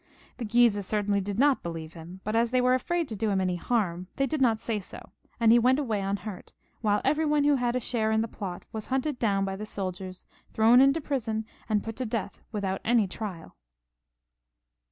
The Guises cer tainly did not believe him, but as they were afraid to do him any harm, they did not say so, and he went away unhurt, while every one who had had a share in the plot was hunted down by the soldiers, thrown into prison, and put to death without any trial.